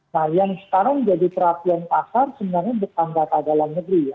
nah yang sekarang jadi perhatian pasar sebenarnya bukan data dalam negeri ya